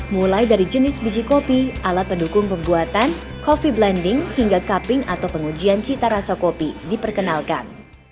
mulai dari jenis biji kopi alat pendukung pembuatan coffee blending hingga cupping atau pengujian cita rasa kopi diperkenalkan